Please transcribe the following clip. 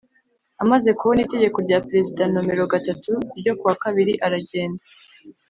Amaze kubona Itegeko rya Perezida nomero gatatu ryo ku wa kabiri aragenda